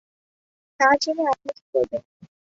তা জেনে আপনি কী করবেন?